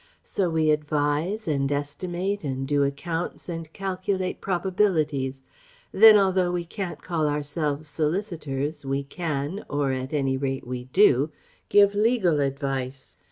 So we advise and estimate and do accounts and calculate probabilities. Then although we can't call ourselves Solicitors we can or at any rate we do give legal advice.